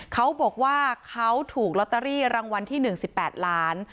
เขาบอกว่าเขาถูกลอตเตอรี่รางวัลที่๑๘ล้าน